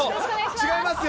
違いますよ。